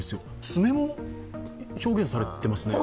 爪も表現されてますね。